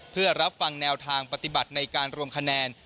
เพื่อรับฟังแนวทางปฏิบัติในการรวมคะแนน